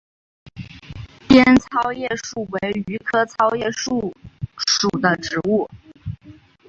滇糙叶树为榆科糙叶树属的植物。